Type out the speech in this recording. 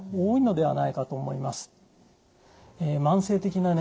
はい。